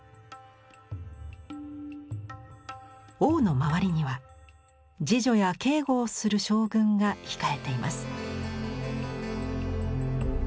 王の周りには侍女や警護をする将軍が控えています。